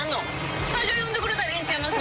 スタジオ呼んでくれたらええんちゃいますの？